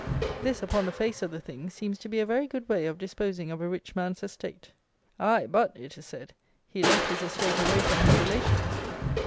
This, upon the face of the thing, seems to be a very good way of disposing of a rich man's estate. "Aye, but," it is said, "he left his estate away from his relations."